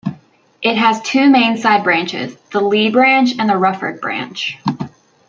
It has two main side-branches, the Leigh Branch and the Rufford Branch.